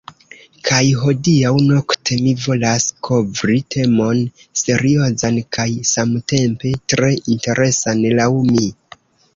Kaj hodiaŭ nokte mi volas kovri temon seriozan kaj samtempe tre interesan laŭ mi.